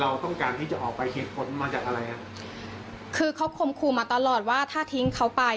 เราต้องการที่จะออกไปเหตุผลมาจากอะไรอ่ะคือเขาคมครูมาตลอดว่าถ้าทิ้งเขาไป